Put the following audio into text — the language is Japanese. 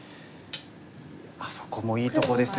あっそこもいいとこですよ。